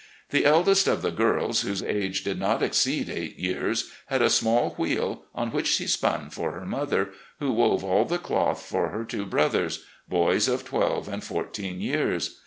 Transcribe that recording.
The eldest of the girls, whose age did not exceed eight years, had a small wheel on which she spun for her mother, who wove all the cloth for her two brothers — ^bo)rs of twelve and fourteen years.